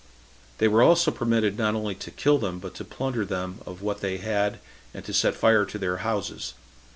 They were also permitted not only to kill them, but to plunder them of what they had, and to set fire to their houses.